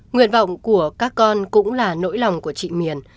nguyện vọng của các con cũng là nỗi lòng của chị miền